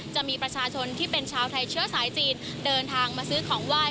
จะมีประชาชนที่เป็นชาวไทยเชื้อสายจีนเดินทางมาซื้อของไหว้